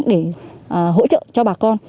để hỗ trợ cho bà con